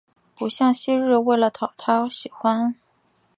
不像昔日为了讨他喜欢